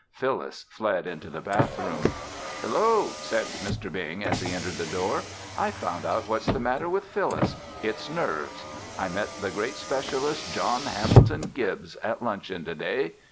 Phyllis fled into the bathroom. "Hello!" said Mr. Bing as he entered the door. "I've found out what's the matter with Phyllis. It's nerves. I met the great specialist, John Hamilton Gibbs, at luncheon to day.